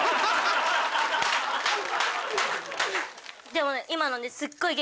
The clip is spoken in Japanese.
でもね今ので。